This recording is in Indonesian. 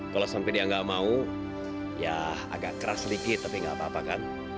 kalau sampai dia nggak mau ya agak keras sedikit tapi gak apa apa kan